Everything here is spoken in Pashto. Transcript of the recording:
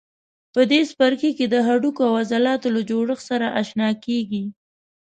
په دې څپرکي کې د هډوکو او عضلاتو له جوړښت سره آشنا کېږئ.